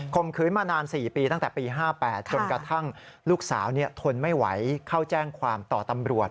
มขืนมานาน๔ปีตั้งแต่ปี๕๘จนกระทั่งลูกสาวทนไม่ไหวเข้าแจ้งความต่อตำรวจ